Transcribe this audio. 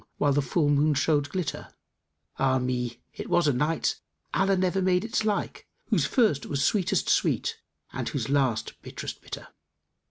while the full moon showed glitter: Ah me, it was a night, Allah never made its like; * Whose first was sweetest sweet and whose last was bitt'rest bitter!